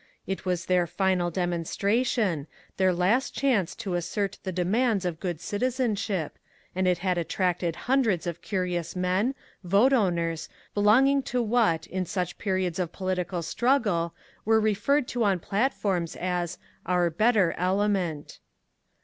It was their final demonstration, their last chance to assert the demands of good citizenship and it had attracted hundreds of curious men, vote owners, belonging to what, in such periods of political struggle, are referred to on platforms as "our better element."